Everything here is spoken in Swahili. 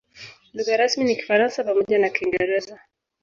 Lugha rasmi ni Kifaransa pamoja na Kiingereza.